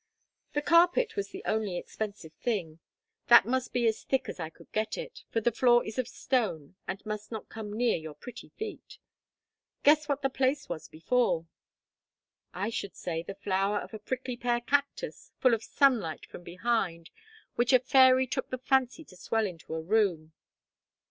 "The carpet was the only expensive thing. That must be as thick as I could get it; for the floor is of stone, and must not come near your pretty feet. Guess what the place was before." "I should say, the flower of a prickly pear cactus, full of sunlight from behind, which a fairy took the fancy to swell into a room."